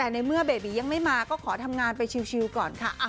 แต่ในเมื่อเบบียังไม่มาก็ขอทำงานไปชิวก่อนค่ะ